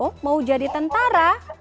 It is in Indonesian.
oh mau jadi tentara